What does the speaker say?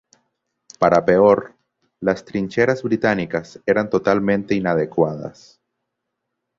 Para peor, las trincheras británicas eran totalmente inadecuadas.